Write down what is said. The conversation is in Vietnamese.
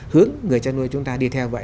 hướng người chăn nuôi chúng ta đi theo vậy